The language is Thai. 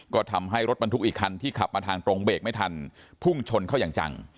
ก็ทำให้รถบรรทุกอีกคันที่ขับมาทางตรงเบรกไม่ทันพุ่งชนเข้าอย่างจัง